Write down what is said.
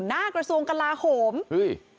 หน้ากระทรวงกลาโหมเฮ้ย